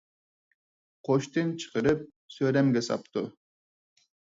قوشتىن چىقىرىپ سۆرەمگە ساپتۇ.